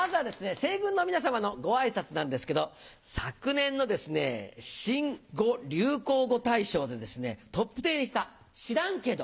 西軍の皆様のご挨拶なんですけど昨年の新語・流行語大賞でトップテン入りした「知らんけど」